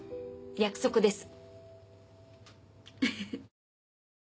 約束です。